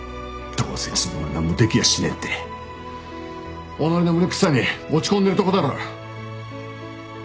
どうせ自分は何もできやしねえって己の無力さに落ち込んでるとこだろ？